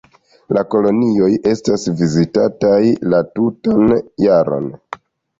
La kolonioj estas vizitataj la tutan jaron.